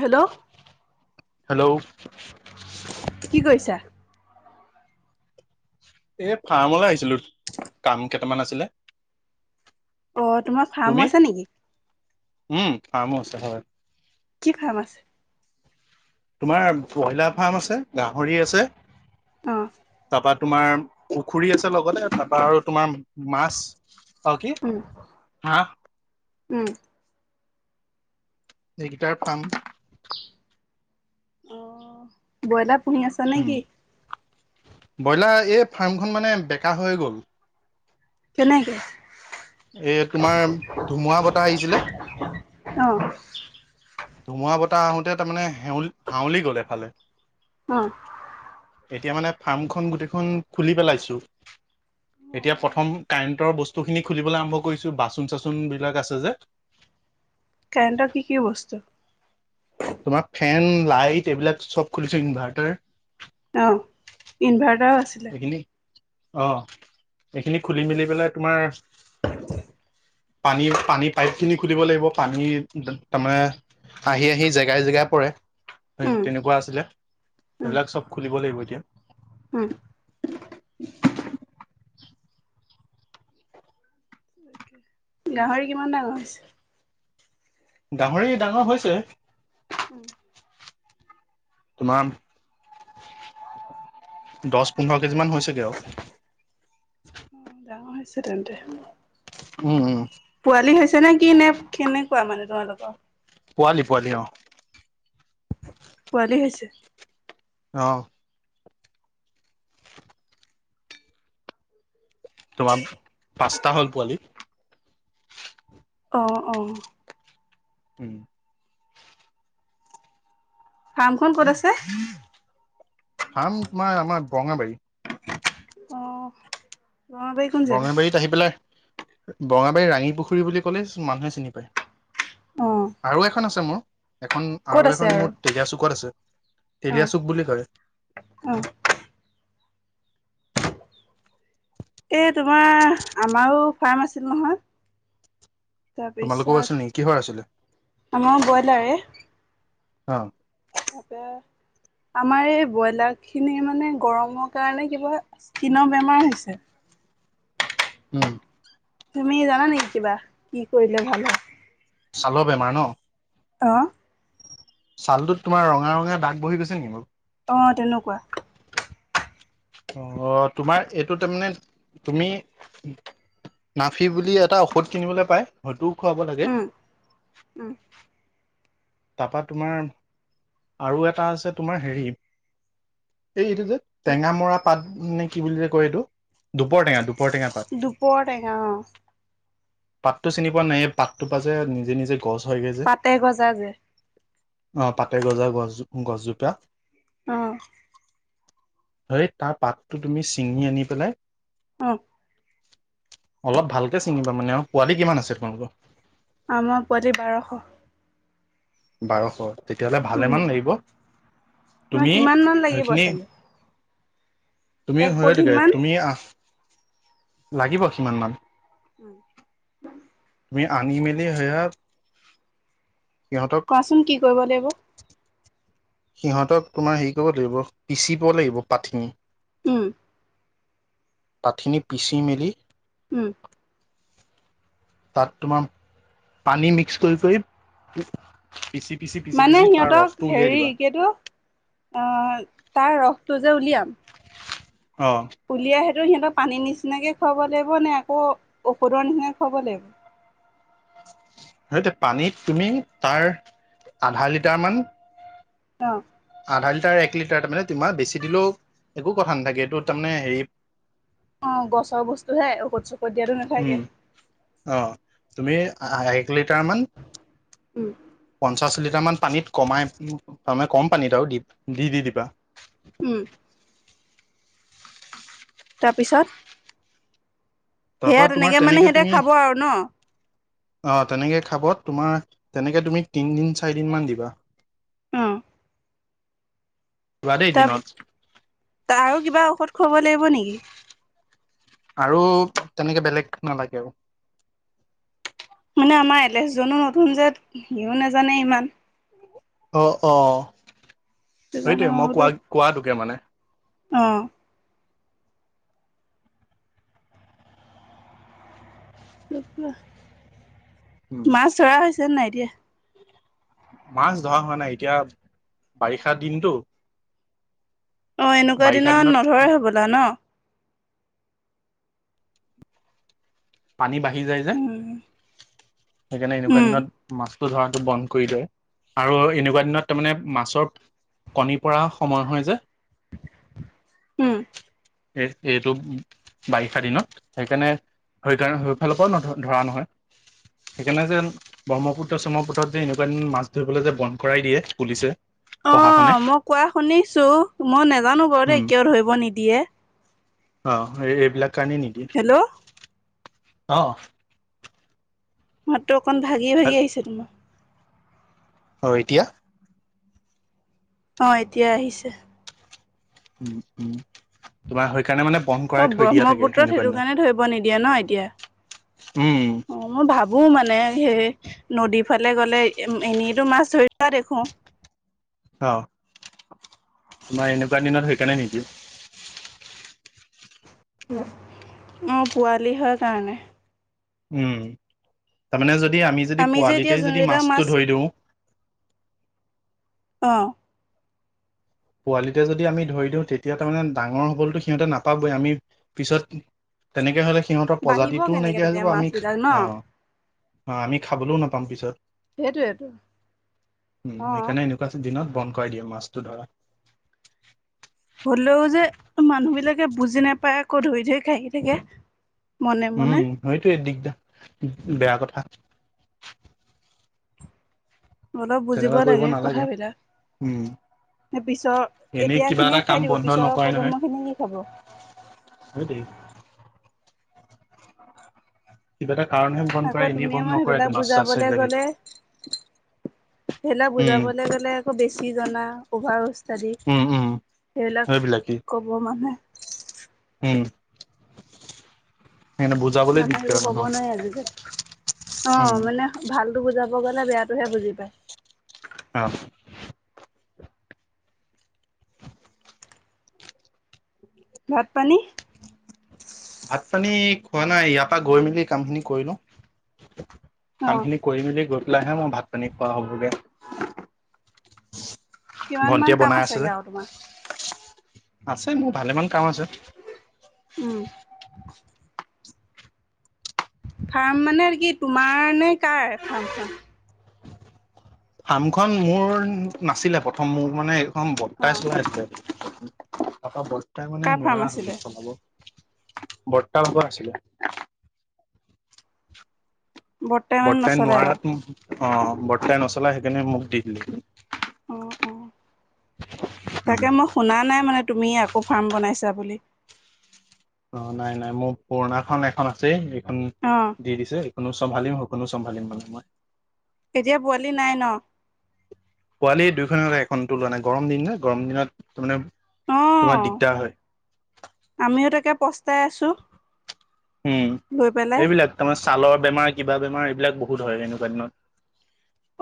Hello hello কি কৰিছা? এই ফাৰ্মলে আহিছিলোঁ কাম কেইটামান আছিলে। অ তোমাৰ তুমি ফাৰ্মো আছে নেকি? উম ফাৰ্মো আছে হয়। কি ফাৰ্ম আছে? তোমাৰ বইলাৰ ফাৰ্ম আছে, গাহৰি আছে, অ তাপা তোমাৰ পুখুৰী আছে লগতে তাৰপা আৰু তোমাৰ মাছ আৰু কি উম, হা উম এইকেইটাৰ ফাৰ্ম অ ব্ৰইলাৰ পুহি আছ নে উম কি? ব্ৰইলাৰ এই ফাৰ্মখন মানে বেকা হৈ গ'ল। কেনেকে? এই তোমাৰ ধুমুহা বতাহ আহিছিলে। অহ। ধুমুহা বতাহ আহোঁতে তাৰমানে হাউলি হাউলি গ'ল এফালে। উম এতিয়া মানে ফাৰ্মখন গোটেইখন খুলি পেলাইছোঁ। এতিয়া প্ৰথম কাৰেন্টৰ বস্তু খিনি খুলিবলৈ আৰম্ভ কৰিছো বাচন চাচন বিলাক আছে যে কাৰেন্টৰ কি কি বস্তু? তোমাৰ ফেন লাইট এইবিলাক চব খুলিছোঁ ইনভাৰ্টাৰ - অ ইনভাৰ্টাৰো আছিলে এইখিনি অ এইখিনি খুলি মেলি পেলাই তোমাৰ পানী পানী পাইপ খিনি খুলিব লাগিব পানী তাৰমানে আহি আহি জেগাই জেগাই পৰে সে উম, তেনেকুৱা আছিলে উম, সেইবিলাক চব খুলিব লাগিব এতিয়া উম। গাহৰি কিমান ডাঙৰ হৈছে? গাহৰি ডাঙৰ হৈছে। উম। তোমাৰ দহ পোন্ধৰ কেজি মান হৈছেগে আৰু। অ ডাঙৰ হৈছে তেন্তে। উম, উম। পোৱালি হৈছে নে কি নে কেনেকুৱা মানে তোমালোকৰ? পোৱালি পোৱালি অঁহ। পোৱালি হৈছে। অহ। তোমাৰ পাঁচটা হ'ল পোৱালি। অহ, অহ। উ'ম। ফাৰ্মখন ক'ত আছে? ফাৰ্ম তোমাৰ আমাৰ গৰঙাবাৰী। অহ বৰঙাবাৰী। বৰঙাবাৰীত আহি পেলাই বৰঙাবাৰীত ৰাঙী পুখুৰী বুলি কলে মানুহে চিনি পায়। অ' আৰু এখন আছে মোৰ এখন। ক'ত আৰু আছে এখন মোৰ তেলীয়া চুকত আছে, অ', তেলীয়া চুক বুলি কয়। অ'। এই তোমাৰ আমাৰো ফাৰ্ম আছিল নহয়। তোমালোকৰও আছিল তাৰপিছত নেকি কিহৰ আছিলে আমাৰো ব্ৰইলাৰে। অ'। [unintelligible] আমাৰ এই ব্ৰইলাৰখিনি মানে গৰমৰ কাৰণে কিবা স্কিনৰ বেমাৰ হৈছে। উ'ম। তুমি জানা নেকি কিবা কি কৰিলে ভাল হয়? ছালৰ বেমাৰ ন? অ'হ। চালটোত তোমাৰ ৰঙা, ৰঙা দাগ বহি গৈছে নেকি বাৰু? অ'হ তেনেকুৱা। অ' তোমাৰ এইটো তাৰমানমানে তুমি। নাফি বুলি এটা ঔষধ কিনিবলৈ পায় হয়তোও খুৱাব লাগে। উম, উ'ম। তাৰপা তোমাৰ আৰু এটা আছে তোমাৰ হেৰি। এই এইটো যে কি টেঙামৰা পাত নে কি বুলি যে কয় এইটো দুপৰ টেঙা দুপৰ টেঙা পাট। দুপৰটেঙা অ'হ। পাতটো চিনি পোৱা নাইে পাতটো পা যে নিজে নিজে গছ হয়গৈ যে। পাতে গজা যে অ' পাতেগজা, গছো গছজোপা। অ'। হেৰি তাৰ পাতটো তুমি ছিঙি আনি পেলাই। অ'। অলপ ভালকে চিঙিবা মানে আৰু পোৱালি কিমান আছে তোমালোকৰ? আমাৰ পোৱালি বাৰশ। বাৰশ, তেতিয়াহ'লে উম, ভালেমান লাগিব। তোমাৰ তুমি কিমান মান লাগিব সেইখিনি চাগে তুমি এক পলিথিন হয়টো মান তুমি আহ লাগিব কিমান মান। [unintelligible] তুমি আনি মেলি সেয়া সিহঁতক। চোন কি কৰিব লাগিব। [unintelligible] সিহঁতক তোমাৰ হেৰি কৰিব লাগিব পিচিব লাগিব পাত খিনি। উ'ম। পাতখিনি পিচি মেলি উ'ম। তাত তোমাৰ পানী মিক্স কৰি কৰি পিছি, পিছি মানে সিহঁতক হেৰি কি এইটো অ' তাৰ ৰসটো যে উলিয়াম। অ'। উলিয়াই সেইটো সিহঁতক পানীৰ নিচিনাকৈ খুৱাব লাগিব নে আকৌ ঔষধৰ নিচিনাকৈ খুৱাব লাগিব। [unintelligible] পানীত তুমি তাৰ, আধা লিটাৰ মান অ'! আধা লিটাৰ, এক লিটাৰ। তাৰ মানে, তোমাৰ বেছি দিলেও, একো কথা নাথাকে। এইটো তাৰমানে, হেৰি অ'! গছৰ বস্তুহে, ঔষধ -সৌষদ দিয়াতো উম নাথাকে। অ' তুমি এক লিটাৰমান উ'ম। পঞ্চাছ লিটাৰমান পানীত কমাই তাৰমানে কম পানীত আৰু দি দি দি দিবা। উ'ম। তাৰপিছত? সেয়া তাৰপৰা, তোমাৰ মানে তেনেকে সিহঁতে তুমি খাব আৰু ন অ'! তেনেকে খাব। তোমাৰ, তেনেকে তুমি তিনদিন, চাৰিদিন মান দিবা? অ যোৱাদেই দিনত? তাৰ আৰু কিবা ঔষধ খুৱাব লাগিব নেকি? আৰু তেনেকে, বেলেগ নালাগে আৰু। মানে, আমাৰ এল এছজনো নতুন যে, সিও নেজানে ইমান। অ' অ'! সেই কাৰণে, সেইটোৱে মই কোৱা বোলোঁ--অ'! কোৱাটোকে মানে উম, মাছ ধৰা হৈছে নাই, এতিয়া? মাছ ধৰা হোৱা নাই। এতিয়া, বাৰিষা দিনটো। অ'! এনেকুৱা দিনত, নধৰে হ'বলা ন'? পানী বাঢ়ি যায় যে। উম, সেইকাৰণে, এনেকুৱা উম, দিনত মাছ ধৰাটো বন্ধ কৰি দিয়ে। আৰু এনেকুৱা দিনত, তাৰমানে, মাছৰ কণীৰ পৰা সময় হয় যে। উম, এই, এইটো বাৰিষা দিনত। সেইকাৰণে, সেইকাৰণ, সেই ফালৰ পৰাও নধ, ধৰা নহয়। সেইকাৰণে যেন, ব্ৰহ্মপুত্ৰ- চমৰপুত্ৰত যে, এনেকুৱাদিন মাছ ধৰিবলে যে, বন্ধ কৰাই দিয়ে পুলিচে। প্ৰশাসনে অ'! মই কোৱা শুনিছোঁ! মই নাজানোঁ বাৰু উম দেই। কিয় ধৰিব নিদিয়ে? অ'! এইবিলাক কাৰণে, নিদিয়ে। হেল্ল'? অ'! মাতটো অকণ, ভাগি- ভাগি আহিছে তোমাৰ? অ'! এতিয়া? অ'! এতিয়া আহিছে। উম! উম! তোমাৰ, সেইকাৰণে মানে, বন্ধ কৰাই অ', থৈ দিয়া থাকে, ব্ৰহ্মপুত্ৰত এনেকুৱা সেইটো কাৰণে ধৰিব নিদিয়ে ন এতিয়া। দিনত। উম! অ', মই ভাবোঁ মানে, সেই নদীৰ ফালে গ'লে, এনেইতো মাছ ধৰি দেখোঁ। অ'! তোমাৰ, এনেকুৱা দিনত সেইকাৰণে, নিদিয়ে। অ'! পোৱালি হয়, কাৰণে। উম! তাৰমানে যদি, আমি যদি, যে এতিয়া পোৱালিতে যদি যোনবিলাক মাছ মাছটো ধৰি দিওঁ অ'! পোৱালিতে যদি, আমি ধৰি দিওঁ। তেতিয়া তাৰমানে, ডাঙৰ হ'বলেতো সিহঁতে নাপাবই। আমি, পিছত তেনেকে হ'লে, সিহঁতৰ বাঢ়িব প্ৰজাতিটোও কেনেকে নাইকিয়া হৈ যাব। তেতিয়া আমি, মাছ বিলাক ন অ'! অ'! আমি খাবলৈও নাপাম পিছত। সেইটোয়েতো উম, অ', সেইকাৰণে, এনেকা। তাৰপিছত, দিনত বন্ধ কৰাই দিয়ে, মাছটো ধৰা। হ'লেও যে, মানুহ বিলাকে বুজি নাপায়! আকৌ, ধৰি ধৰি খাই থাকে। মনে মনে উম! সেইটোৱে দিগদাৰ, বেয়া কথা। অলপ বুজিব তেনেকুৱা কৰিব লাগে, নালাগে কথাবিলাক। উম পিছৰ এনেই এতিয়া কিবা খিনিয়ে এটা খাই দিব পিছৰ প্ৰজন্ম খিনি কি খাব। সেইটোৱেই। কিবা এটা কাৰণহে বন্ধ আকৌ কৰে এনেই তুমিয়ে বন্ধ মই নকৰেটো সেইবিলাক মাছ চাছ বুজাবলে সেইবিলাকে গলে। সেইবিলাক উম বুজাবলে গলে আকৌ বেছি জনা উভাৰ উষ্টাদি সেইবিলাক কি? ক'ব মানে। উম! সেইকাৰণে বুজাবলৈ মানুহে দিগদাৰ একো ক'ব মানুহক নোৱাৰে আজিকালি। উম অ'! মানে ভালটো বুজাব গ'লে, বেয়াটোহে বুজি পায়। অ'! ভাত পানী। ভাত, পানী খোৱা নাই ইয়াৰ পৰাা গৈ মেলি কাম খিনি কৰি লো অ কাম খিনি কৰি মেলি গৈ পেলাইহে মই ভাত পানী খোৱা হ'বগে। কিমান মান ভন্টিয়ে কাম বনাই আছে আছেগে যে আৰু তোমাৰ আছে মোৰ ভালেমান কাম আছে। উ'ম। ফাৰ্ম মানে কি তোমাৰ নে কাৰ ফাৰ্ম খন? ফাৰ্মখন মোৰ নাছিলে প্ৰথম মোৰ মানে এইখন অ বৰ্তাই চলাইছিলে। তাৰপা বৰ্তাই মানে কাৰ ফাৰ্ম নোৱাৰা আছিলে হল চলাব বৰ্তা ভাগ আছিলে। বৰ্তমান বৰ্তাই নচলে আৰু নোৱাৰাত, অ' বৰ্তাই নচলা সেইকাৰণে মোক দি দিলে। অ', অ' তাকে মই শুনা নাই মানে তুমি আকৌ ফাৰ্ম বনাইছা বুলি। অ' নাই, নাই মোৰ পুৰণাখন এখন আছেই সেইখন অ'। দি দিছে। এইখনো চম্ভালীম সেইকনো চম্ভালী লম মানে মই। এতিয়া পোৱালি নাই ন। পোৱালি দুইখন এখনতো লোৱা নাই, গৰম দিন ন গৰম দিনত তাৰমানে অঁ তোমাৰ দিগদাৰ হয়। আমিও তাকে পস্তাই আছোঁ। উ'ম, এইবিলাক তাৰমানে ছালৰ বেমাৰ কিবা বেমাৰ এইবিলাক বহুত হয় এনেকুৱা দিনত।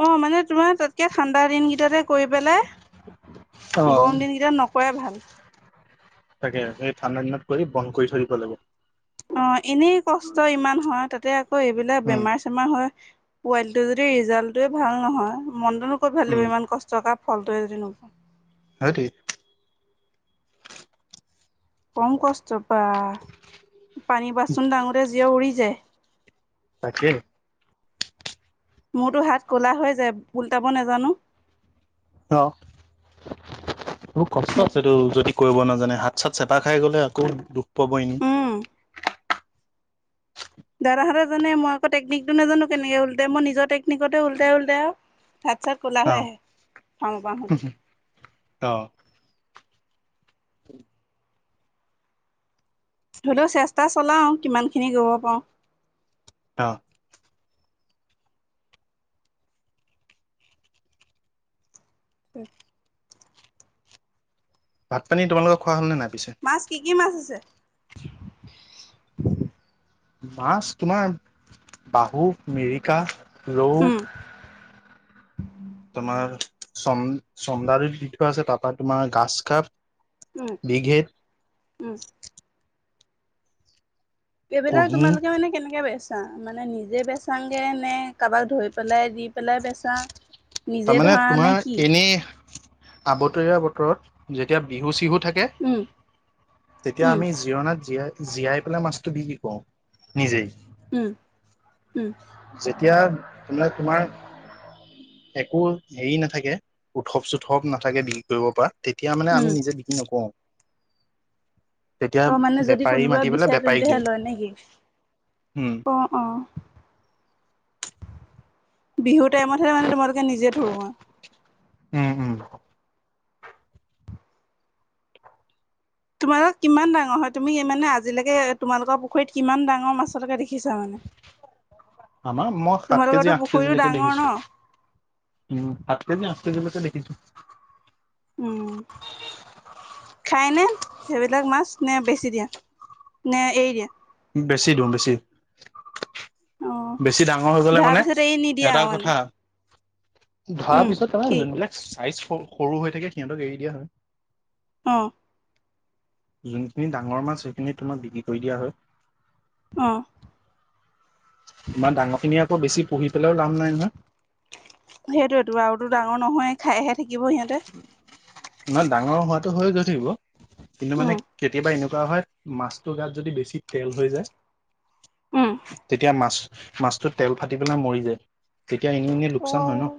অ' মানে তোমাৰ তাতকৈ ঠাণ্ডা দিনকেইটাতে কৰি পেলাই অ গৰম দিনকেইটা ন। কৰাই ভাল। তাকে সেই ঠাণ্ডা দিনত কৰি বন্ধ কৰি থৈ দিব লাগে। অ' এনেই কষ্ট ইমান হয় তাতে আকৌ এইবিলাক উম বেমাৰ। পোৱালিটো যদি ৰিজালটোৱে ভাল নহয়। মনটোনো ক'ত ভাল উম লাগিব ইমান কষ্ট জগা ফলটোৱে যদি নুঠে। সেইটোৱেই। কম কষ্টৰ বা পানী বাচন দাঙোতে জীয় উৰি যায়। তাকে। মোৰতো হাত ক'লা হৈ যায় উল্টাব নাজানো। অ'। এইবোৰ কষ্ট আছে তো যদি কৰিব নাজানে হাত চাত চেপা খাই গলে আকৌ দুখ পাব এনেই। উ'ম। দাদাহঁতে জানে মইকৌ টেকনিকটো নাজানো কেনেকে উলটাই মই নিজৰ টেকনিকতে উলটাই-উলটাই আৰু। হাত- চাত ক'লা অ হৈ আহে ফাওঁ পাওঁতে। অ'। [unintelligible] ধৰি লও চেষ্টা চলাওঁ কিমানখিনি কৰিব পাওঁ। অ'। [unintelligible] ভাত, পানী তোমালোকৰ খোৱা হ'ল নে নাই পিছে? মাছ কি কি মাছ আছে? মাছ তোমাৰ বাহু, মিৰিকা, ৰৌ। উম তোমাৰ চম চন্দাৰত দিঠ আছে তাৰপৰা তোমাৰ ঘাছ কাপ। উ'ম। বিঘেত। উম এইবিলাক কুঁহি তোমালোকে মানে কেনেকে বেচ। তা মানে নিজে বেচাংগে নে কাৰোবাক ধৰি পেলাই দি পেলাই বেচা। নিজে তাৰমানে ধৰা নে তোমাৰ কি এনেই আবতৰীয়া বতৰত যেতিয়া বিহু- চিহুত। থাকে উম তেতিয়া উম আমি জিৰণাত জীয়াই। জীয়াই পেলাই মাছটো বিক্ৰী কৰো নিজেই। উ'ম, উ'ম। যেতিয়া তোমাৰ, তোমাৰ। একো হেৰি নাথাকে, উৎসপ- চোৎসপ নাথাকে বিক্ৰী কৰিব পৰা। তেতিয়া মানে উম আমি নিজে বিক্ৰী নকৰো। অ' মানে যদি বেপাৰী কোনোবাই মাতি পেলাই বিচাৰে বেপাৰীক তেন্তেহে দিওঁ লয় নেকি? উম অ', অ'। বিহুৰ টাইমতহে মানে তোমালোকে নিজে ধৰোৱা। হু'ম, হু'ম। তোমালোকক কিমান ডাঙৰ হয় তুমি মানে আজিলৈকে তোমালোকৰ পুখুৰীত কিমান ডাঙৰ মাছকে দেখা দেখিছা মানে, আমাৰ মই সাত কেজি তোমালোকৰ আঠ পুখুৰীটো কেজিলৈকে ডাঙৰ দেখিছোঁ ন? উ'ম, সাত কেজি, আঠ কেজি লৈকে দেখিছো। উ'ম। খায় নে সেইবিলাক মাছ, নে বেছি দিয়ে, নে এৰি দিয়ে। বেছি দিও, বেছি। অ' বেছি ডাঙৰ হৈ গলে ধৰাৰ মানে পিছত এৰি নিদিয়া এটা আৰু মানে কথা ধৰা উম পিছত তাৰমানে কি যোনবিলাক চাইজ সৰু হৈ থাকে সিহঁতক এৰি দিয়া হয়। অ'। যোনখিনি ডাঙৰ মাছ সেইখিনি তোমাক বিক্ৰী কৰি দিয়া হয়। অ'। ইমান ডাঙৰ খিনি আকৌ বেছি পুহি পেলাও লাভ নাই নহয়। সেইটোৱেতো আৰু টো ডাঙৰ নহয় খাইহে থাকিব সিহঁতে। নহয় ডাঙৰ হোৱাটো হৈ গঠিব কিন্তু উম মানে কেতিয়াবা এনেকুৱা হয়। মাছটোৰ গাত যদি বেছি তেল হৈ যায় উম তেতিয়া মাছ মাছটোত তেল ফাটি পেলাই মৰি যায় তেতিয়া এনে এনেই অ' লোকচান হয় ন।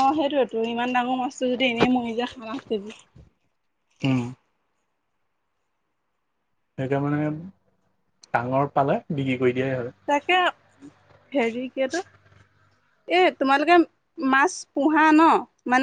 অ সেইটোয়েতটো ইমান ডাঙৰ মাছটো যদি এনেই মৰি যায়। সাত, আঠ কেজি। উ'ম। সেইকাৰে মানে ডাঙৰ পালে বিক্ৰী কৰি দিয়ে। তাকে হেৰি কেতো। এ! তোমালোকে মাছ পোহা ন মানে।